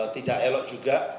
tidak elok juga